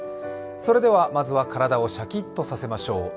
それではまずは体をシャキッとさせましょう。